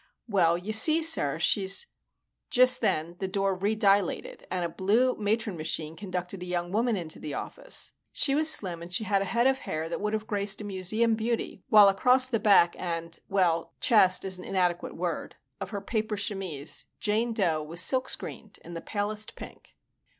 "Well, you see, sir, she's "Just then, the door re dilated and a blue matron machine conducted a young woman into the office. She was slim and she had a head of hair that would have graced a museum beauty, while across the back and well, "chest" is an inadequate word of her paper chemise, "JANE DOUGH" was silk screened in the palest pink.